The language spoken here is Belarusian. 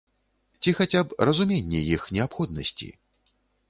Ці хаця б разуменне іх неабходнасці?